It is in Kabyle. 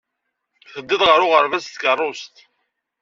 Teddiḍ ɣer uɣerbaz s tkeṛṛust.